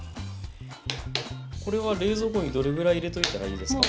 これは冷蔵庫にどれぐらい入れといたらいいですか？